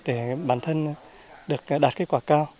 để bản thân được đạt kết quả cao